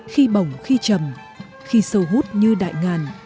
khi bỏng khi trầm khi sâu hút như đại ngàn